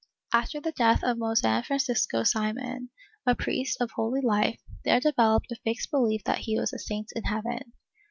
After the death of Mosen Francisco Simon, a priest of holy life, there developed a fixed behef that he was a saint in heaven.